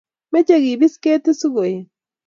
Mache kebis keti siko et